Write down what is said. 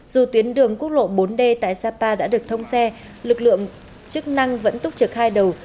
dù tuyến đường quốc lộ bốn d tại sapa đã được thông xe lực lượng chức năng vẫn túc trực hai đầu